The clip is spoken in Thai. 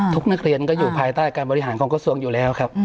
นักเรียนก็อยู่ภายใต้การบริหารของกระทรวงอยู่แล้วครับ